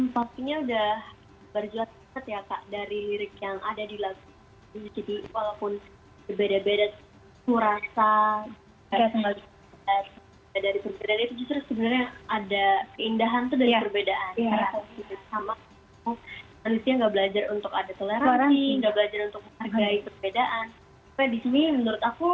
pastinya sudah berjelas banget ya kak dari lirik yang ada di lagu ini